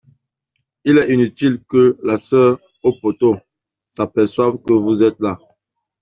Il est inutile que la soeur au poteau s'aperçoive que vous êtes là.